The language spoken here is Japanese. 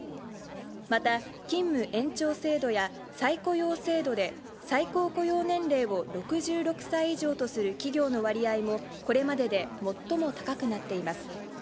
また、勤務延長制度や再雇用制度で、最高雇用年齢を６６歳以上とする企業の割合も、これまでで最も高くなっています。